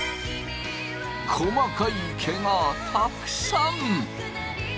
細かい毛がたくさん。